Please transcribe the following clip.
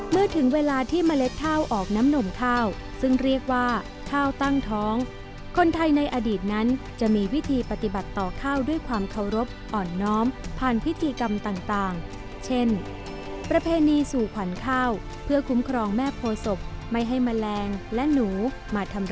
เมื่อถึงเวลาที่เมล็ดข้าวออกน้ำนมข้าวซึ่งเรียกว่าข้าวตั้งท้องคนไทยในอดีตนั้นจะมีวิธีปฏิบัติต่อข้าวด้วยความเคารพอ่อนน้อมผ่านพิธีกรรมต่างเช่นประเพณีสู่ขวัญข้าวเพื่อคุ้มครองแม่โพศพไม่ให้แมลงและหนูมาทำ